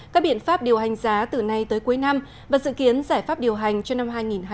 các biện pháp điều hành giá từ nay tới cuối năm và dự kiến giải pháp điều hành cho năm hai nghìn hai mươi